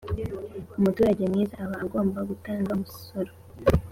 Umuturage mwiza aba agomba gutanga umusoro